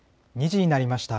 ２時になりました。